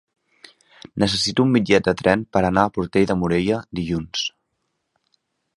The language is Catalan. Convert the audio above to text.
Necessito un bitllet de tren per anar a Portell de Morella dilluns.